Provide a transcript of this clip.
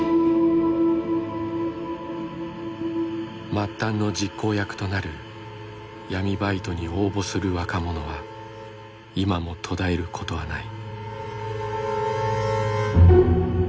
末端の実行役となる闇バイトに応募する若者は今も途絶えることはない。